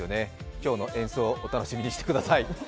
今日の演奏、お楽しみにしてください。